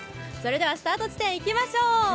ではスタート地点へ行きましょう。